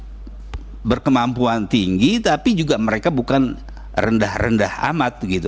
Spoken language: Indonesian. mereka memiliki kemampuan tinggi tapi juga mereka bukan rendah rendah amat